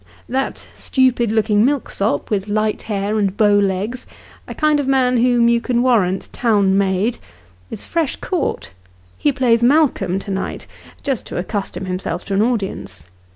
That stupid looking milksop, with light hair and bow legs a kind of man whom you can warrant town made is fresh caught ; he plays Malcolm to night, just to accustom himself to an audience.